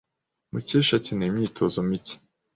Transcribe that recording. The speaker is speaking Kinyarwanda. Mukesha akeneye imyitozo mike.